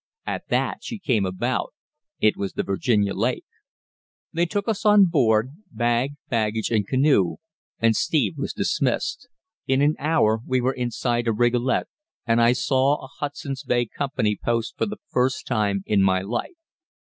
At that she came about it was the Virginia Lake. They took us on board, bag, baggage, and canoe, and Steve was dismissed. In an hour we were in sight of Rigolet, and I saw a Hudson's Bay Company Post for the first time in my life.